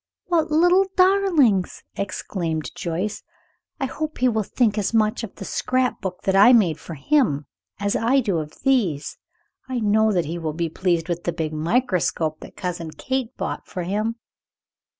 "What little darlings!" exclaimed Joyce. "I hope he will think as much of the scrap book that I made for him as I do of these. I know that he will be pleased with the big microscope that Cousin Kate bought for him."